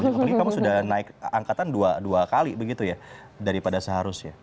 apalagi kamu sudah naik angkatan dua kali begitu ya daripada seharusnya